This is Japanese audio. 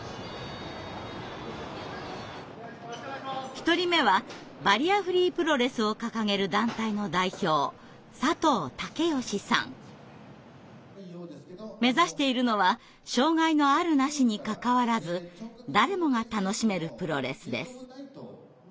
１人目はバリアフリープロレスを掲げる団体の代表目指しているのは障害のあるなしにかかわらず誰もが楽しめるプロレスです。